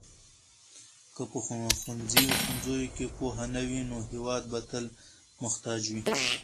که په ښوونځیو کې پوهه نه وي نو هېواد به تل محتاج وي.